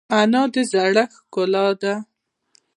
انا د زړښت ښکلا ده